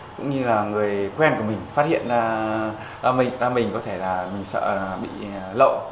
cũng như là người quen của mình phát hiện ra mình có thể là mình sợ là bị lộ